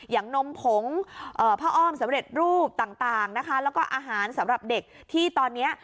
นมผงผ้าอ้อมสำเร็จรูปต่างนะคะแล้วก็อาหารสำหรับเด็กที่ตอนนี้